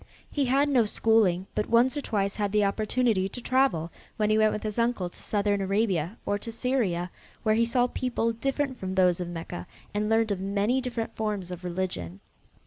He had no schooling, but once or twice had the opportunity to travel, when he went with his uncle to southern Arabia and to Syria, where he saw people different from those of Mecca and learned of many different forms of religion.